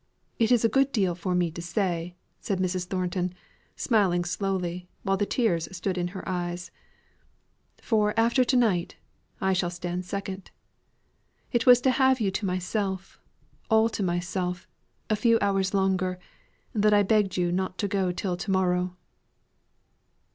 It is a good deal for me to say," said Mrs. Thornton, smiling slowly, while the tears stood in her eyes; "for after to night, I stand second. It was to have you to myself, all to myself, a few hours longer, that I begged you not to go till to morrow."